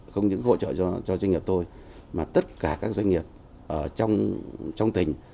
không những hỗ trợ cho doanh nghiệp tôi mà tất cả các doanh nghiệp trong tỉnh